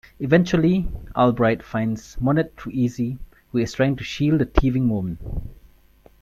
Eventually, Albright finds Monet through Easy, who is trying to shield the thieving woman.